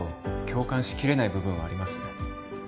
共感しきれない部分はあります